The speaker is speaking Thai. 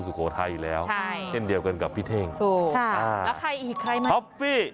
ถูกค่ะแล้วใครอีกใครมั้ยท็อปฟี่